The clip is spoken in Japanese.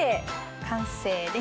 完成です。